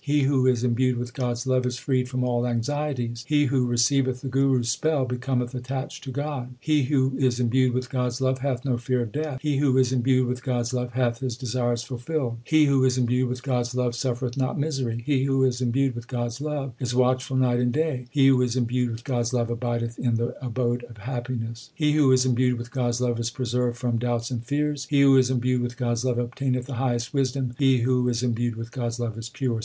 He who is imbued with God s love is freed from all anxieties ; He who receiveth the Guru s spell becometh attached to God; He who is imbued with God s love hath no fear of Death ; He who is imbued with God s love hath his desires ful filled ; He who is imbued with God s love suffereth not misery ; He who is imbued with God s love is watchful night and day; He who is imbued with God s love abideth in the abode of happiness ; 1 Leading men astray and ruining them. 2 They do not suffer from avarice or covetousness. 150 THE SIKH RELIGION He who is imbued with God s love is preserved from doubts and fears ; He who is imbued with God s love obtaineth the highest wisdom ; He who is imbued with God s love is pure.